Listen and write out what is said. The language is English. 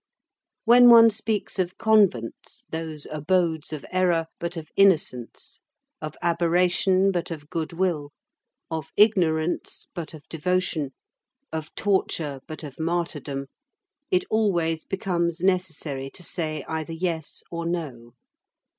When one speaks of convents, those abodes of error, but of innocence, of aberration but of good will, of ignorance but of devotion, of torture but of martyrdom, it always becomes necessary to say either yes or no.